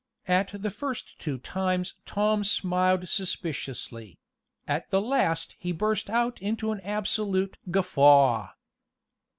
At the two first times Tom smiled suspiciously at the last he burst out into an absolute "guffaw."